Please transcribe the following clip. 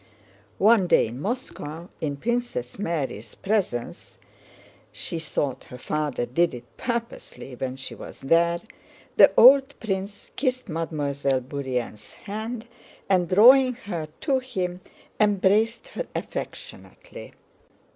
One day in Moscow in Princess Mary's presence (she thought her father did it purposely when she was there) the old prince kissed Mademoiselle Bourienne's hand and, drawing her to him, embraced her affectionately.